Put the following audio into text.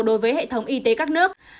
đối với hệ thống y tế các nước